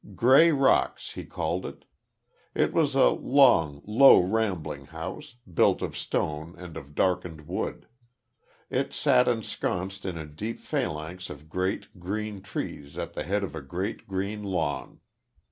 "Grey Rocks," he called it. It was a long, low rambling house, built of stone and of darkened wood. It sat ensconced in a deep phalanx of great, green trees at the head of a great, green lawn.